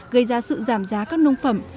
gây ra sự giảm giá các nông phẩm